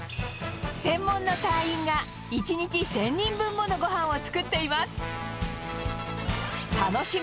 専門の隊員が、１日１０００人分ものごはんを作っています。